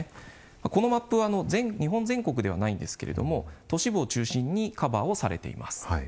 このマップは日本全国ではないんですけれども都市部を中心にカバーされています。